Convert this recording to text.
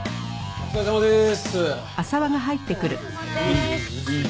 お疲れさまです。